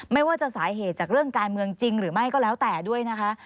ไม่ว่าจะสาเหตุจากเรื่องการเมืองจริงหรือไม่ก็แล้วแต่ด้วยนะคะ